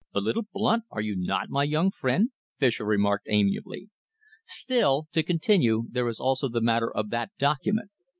"A little blunt, are you not, my young friend?" Fischer remarked amiably. "Still, to continue, there is also the matter of that document.